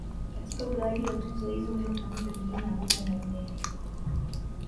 Katika ugawaji wa tuzo hizo uliofanyika jijini Abuja Nigeria